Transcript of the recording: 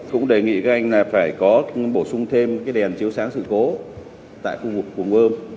cũng đề nghị các anh phải có bổ sung thêm cái đèn chiếu sáng sự cố tại khu vực phòng bơm